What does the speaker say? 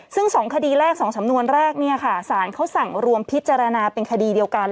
ซึ่ง๒คดีแรก๒สำนวนแรกเนี่ยค่ะสารเขาสั่งรวมพิจารณาเป็นคดีเดียวกัน